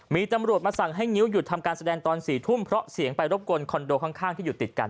มีตำรวจมาสั่งให้งิ้วหยุดทำการแสดงตอน๔ทุ่มเพราะเสียงไปรบกวนคอนโดข้างที่อยู่ติดกัน